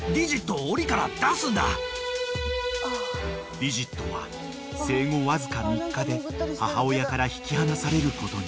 ［ディジットは生後わずか３日で母親から引き離されることに］